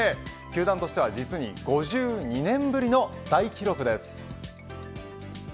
球団としては実に５２年ぶりとなる大記録です。